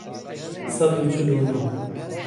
سەد و چل و نۆ